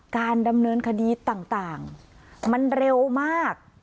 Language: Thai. การดำเนินคดีต่างมันเร็วมาก